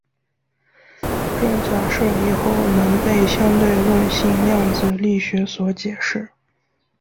这假设以后能被相对论性量子力学所解释。